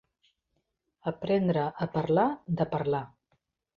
Aprendre a parlar, de parlar.